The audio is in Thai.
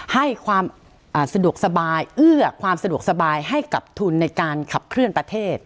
ให้ความสะดวกสบายเอื้อความสะดวกสบายให้กับทุนในการขับเคลื่อนประเทศ